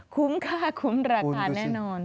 คุ้มค่าคุ้มราคาแน่นอน